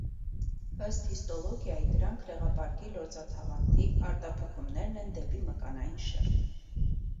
Ըստ հիստոլոգիայի դրանք լեղապարկի լորձաթաղանթի արտափքումներն են դեպի մկանային շերտ։